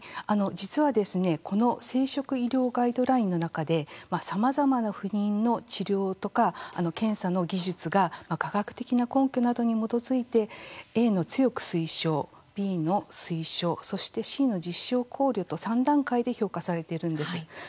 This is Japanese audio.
実はですね、この生殖医療のガイドラインの中でさまざまな不妊の治療とか検査の技術が科学的な根拠などに基づいてＡの強く推奨、Ｂの推奨そして、Ｃの実施を考慮と３段階で評価されているんです。